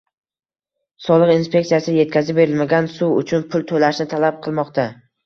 soliq inspeksiyasi yetkazib berilmagan suv uchun pul to‘lashni talab qilmoqda.